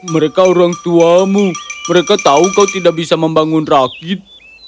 mereka orang tuamu mereka tahu kau tidak bisa membangun rakit